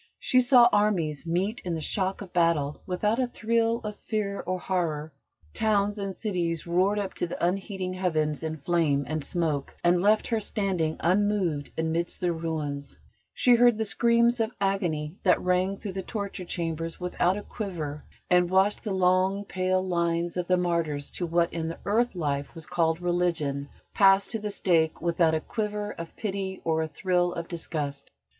She saw armies meet in the shock of battle without a thrill of fear or horror; towns and cities roared up to the unheeding heavens in flame and smoke, and left her standing unmoved amidst their ruins; she heard the screams of agony that rang through the torture chambers without a quiver, and watched the long, pale lines of the martyrs to what in the earth life was called Religion pass to the stake without a quiver of pity or a thrill of disgust.